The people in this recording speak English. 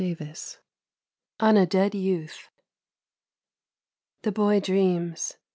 40 ON A DEAD YOUTH THE boy dreams